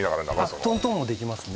トントンもできますね